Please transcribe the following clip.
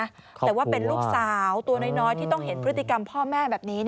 แต่ว่าเป็นลูกสาวตัวน้อยที่ต้องเห็นพฤติกรรมพ่อแม่แบบนี้